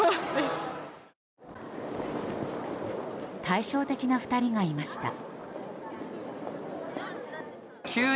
対照的な２人がいました。